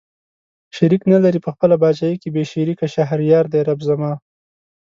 شريک نه لري په خپله پاچاهۍ کې بې شريکه شهريار دئ رب زما